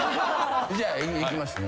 じゃあいきますね。